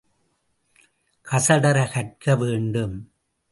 கசடறக் கற்க வேண்டும்.